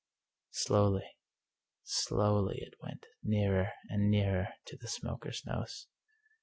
Slowly, slowly, it went, nearer and nearer to the smoker's nose.